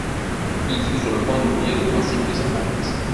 Il fut sur le point d'oublier le principe de sa conduite.